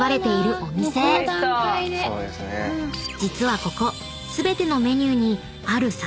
［実はここ］